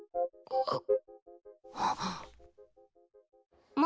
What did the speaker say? あっ！